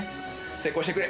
成功してくれ！